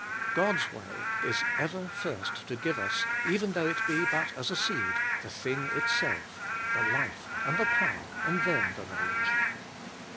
God's way is ever first to give us, even though it be but as a seed, the thing itself, the life and the power, , and then the knowledge.